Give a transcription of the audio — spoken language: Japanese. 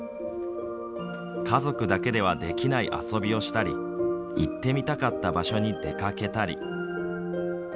家族だけではできない遊びをしたり行ってみたかった場所に出かけたり。